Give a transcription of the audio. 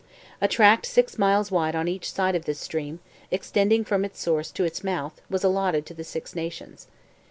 A tract six miles wide on each side of this stream, extending from its source to its mouth, was allotted to the Six Nations.